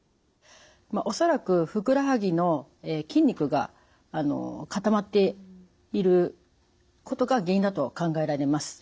恐らくふくらはぎの筋肉が固まっていることが原因だと考えられます。